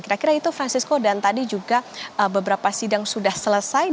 kira kira itu francisco dan tadi juga beberapa sidang sudah selesai